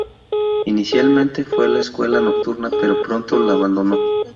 Inicialmente fue a la escuela nocturna, pero pronto la abandonó.